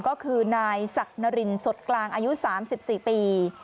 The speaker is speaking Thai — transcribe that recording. ก็คือนายศักดิ์นรินสดกลางอายุ๓๔ปี